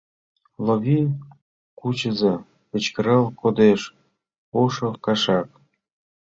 — Лови, кучыза! — кычкырал кодеш ошо кашак.